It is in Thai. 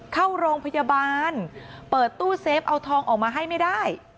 เข้าโรงพยาบาลเปิดตู้เซฟเอาทองออกมาให้ไม่ได้